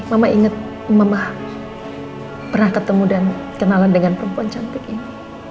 mama inget mama pernah ketemu dan kenalan dengan perempuan cantik ini